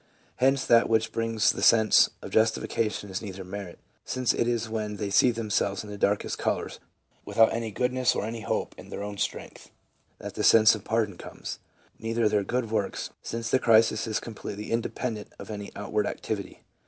Hence that which brings the sense of justification is neither their merit, since it is when they see themselves in the darkest colors, without any goodness or any hope in their own strength, that the sense of pardon comes ; neither their good works, since the crisis is completely independent of any outward activity.